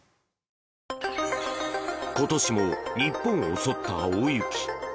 今年も日本を襲った大雪。